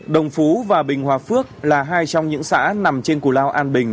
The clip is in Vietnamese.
đồng phú và bình hòa phước là hai trong những xã nằm trên cù lao an bình